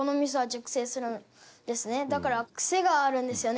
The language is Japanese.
だから癖があるんですよね